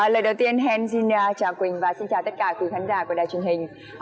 lời đầu tiên hèn gina trà quỳnh và xin chào tất cả quý khán giả của đài truyền hình